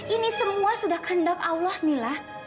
ini semua sudah kehendak allah mila